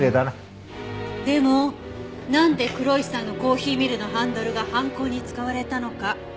でもなんで黒石さんのコーヒーミルのハンドルが犯行に使われたのか？